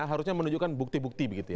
harusnya menunjukkan bukti bukti begitu ya